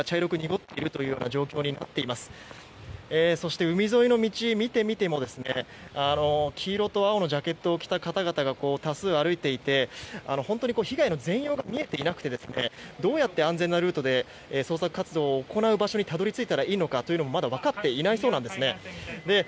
そして、海沿いの道を見てみても黄色と青のジャケットを着た方々が多数歩いていて本当に被害の全容が見えていなくてどうやって安全なルートで捜索活動を行う場所にたどり着いたらいいのかまだ分かっていないそうです。